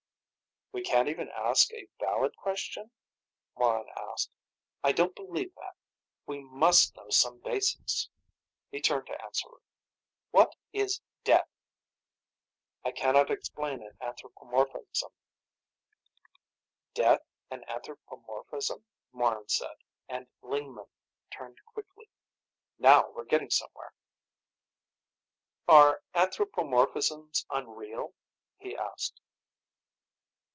"We can't even ask a valid question?" Morran asked. "I don't believe that. We must know some basics." He turned to Answerer. "What is death?" "I cannot explain an anthropomorphism." "Death an anthropomorphism!" Morran said, and Lingman turned quickly. "Now we're getting somewhere!" "Are anthropomorphisms unreal?" he asked.